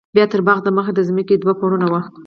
بيا تر باغ د مخه د ځمکې دوه پوړونه وو.